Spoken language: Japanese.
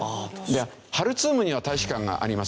ハルツームには大使館がありますけど。